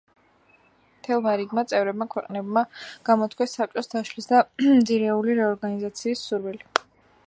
მთელმა რიგმა წევრმა ქვეყნებმა გამოთქვეს საბჭოს დაშლის ან ძირეული რეორგანიზაციის სურვილი.